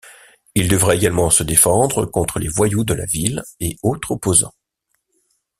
Il devra également se défendre contre les voyous de la ville et autres opposants.